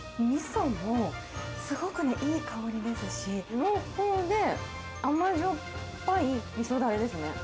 みそもすごくね、いい香りですし、濃厚で甘じょっぱいみそだれですね。